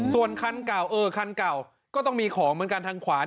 ส่วนขั้นเก่าก็ต้องมีของเหมือนกันทางขวา